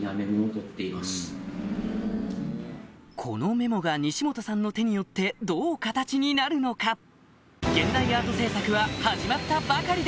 このメモが西本さんの手によってどう形になるのか？